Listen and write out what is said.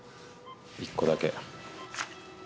１個だけ。